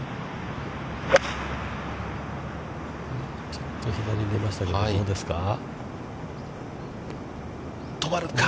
ちょっとに左に出ましたけど、どうですか。